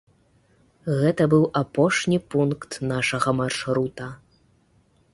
Гэта быў апошні пункт нашага маршрута.